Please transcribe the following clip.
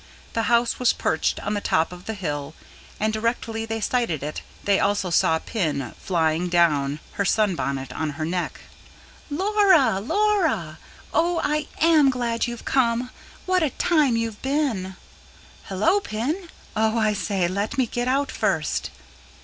The house was perched on the top of the hill, and directly they sighted it they also saw Pin flying down, her sunbonnet on her neck. "Laura, Laura! Oh, I AM glad you've come. What a time you've been!" "Hullo, Pin. Oh, I say, let me get out first."